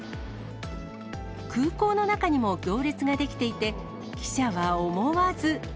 空港の中にも行列が出来ていて、記者は思わず。